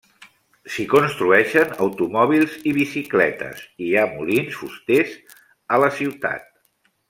S'hi construeixen automòbils i bicicletes, i hi ha molins fusters a la ciutat.